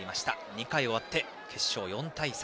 ２回終わって決勝、４対３。